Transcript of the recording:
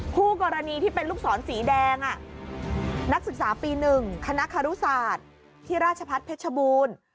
คู่กรณีที่เป็นลูกศรสีแดงนักศึกษาปี๑คณะคารุศาสตร์ที่ราชพัฒน์เพชรบูรณ์